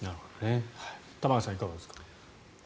玉川さん、いかがですか。